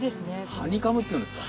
ハニカムっていうんですか。